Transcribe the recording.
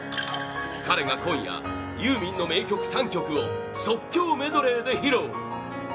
彼が今夜ユーミンの名曲３曲を即興メドレーで披露！